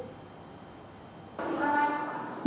xin chào các bạn